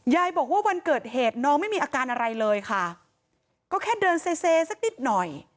ยายบอกว่าวันเกิดเหตุน้องไม่มีอาการอะไรเลยค่ะก็แค่เดินเซสักนิดหน่อย